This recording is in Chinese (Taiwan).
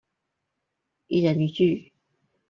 一人一句